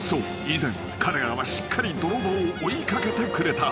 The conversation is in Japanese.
以前彼らはしっかり泥棒を追い掛けてくれた］